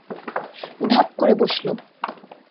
ধাপ করে বসল।